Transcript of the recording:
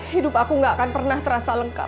hidup aku gak akan pernah terasa lengkap